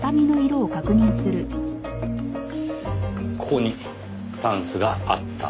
ここにタンスがあった。